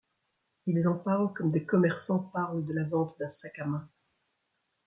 Ils en parlent comme des commerçants parlent de la vente d’un sac à main.